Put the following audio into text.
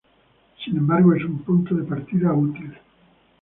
Sin embargo, es un punto de partida útil.